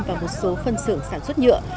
và một số phân xưởng sản xuất nhựa